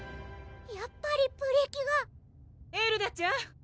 やっぱりプリキュアエルダちゃん！